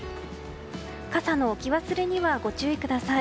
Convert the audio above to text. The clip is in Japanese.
傘の置き忘れにはご注意ください。